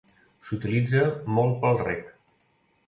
S'utilitza molt pel reg.